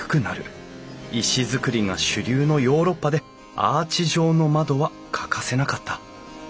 石造りが主流のヨーロッパでアーチ状の窓は欠かせなかった。